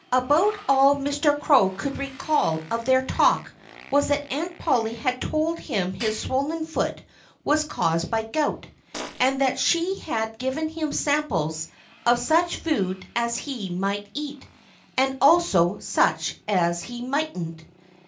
About all Mr. Crow could recall of their talk was that Aunt Polly had told him his swollen foot was caused by gout; and that she had given him samples of such food as he might eat, and also such as he mightn't.